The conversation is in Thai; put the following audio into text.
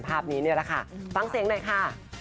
ภาพนี้นี่แหละค่ะฟังเสียงหน่อยค่ะ